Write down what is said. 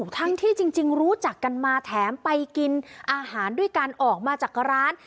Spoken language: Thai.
ทั้งที่จริงรู้จักกันมาแถมไปกินอาหารด้วยการออกมาจากร้าน